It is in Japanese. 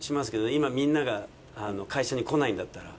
今みんなが会社に来ないんだったら。